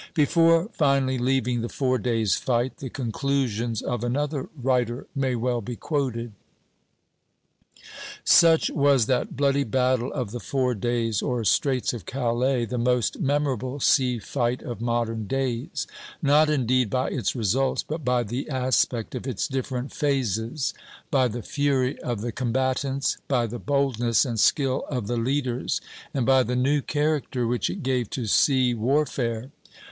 Before finally leaving the Four Days' Fight, the conclusions of another writer may well be quoted: "Such was that bloody Battle of the Four Days, or Straits of Calais, the most memorable sea fight of modern days; not, indeed, by its results, but by the aspect of its different phases; by the fury of the combatants; by the boldness and skill of the leaders; and by the new character which it gave to sea warfare.